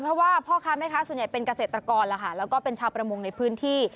เพราะว่าพ่อค้าแม่ค้าส่วนใหญ่เป็นเกษตรกรแล้วก็เป็นชาวประมงในพื้นที่